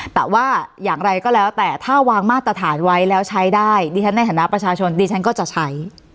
แต่ว่าอย่างไรก็แล้วแต่ถ้าวางมาตรฐานไว้แล้วใช้ได้ดิฉันในฐานะประชาชนดิฉันก็จะใช้